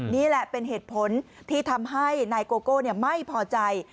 นี่แหละเป็นเหตุผลที่ทำให้นายโกโก้ไม่พอใจ